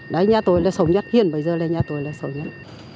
đấy nhà tôi là sống nhất hiện bây giờ là nhà tôi là sống nhất